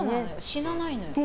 死なないのよ。